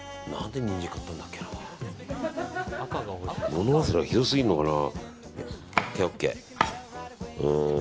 物忘れがひどすぎるのかな。